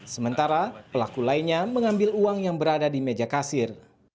sementara pelaku lainnya mengambil uang yang berada di meja kasir